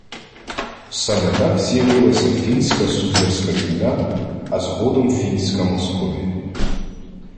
Саме так з'явилася фінська суздальська земля, а згодом – фінська Московія